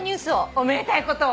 おめでたいことを。